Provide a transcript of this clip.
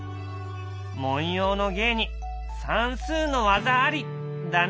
文様の芸に算数の技あり！だね。